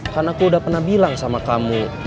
karena aku udah pernah bilang sama kamu